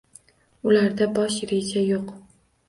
Ularda Bosh reja yo'q